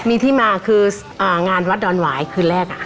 มีที่มาคืองานวัดดอนหวายคืนแรก